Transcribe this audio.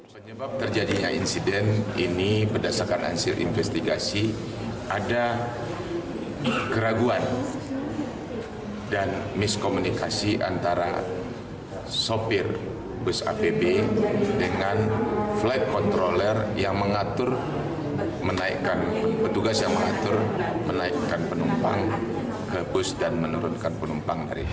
sehingga insiden ini berdasarkan hasil investigasi ada keraguan dan miskomunikasi antara sopir bus apb dengan flight controller yang mengatur menaikkan penumpang ke bus dan menurunkan penumpang dari sana